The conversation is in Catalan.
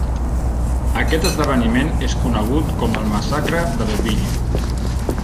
Aquest esdeveniment és conegut com el Massacre d'Abbeville.